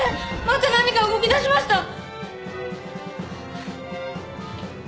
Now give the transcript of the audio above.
また何か動き出しました！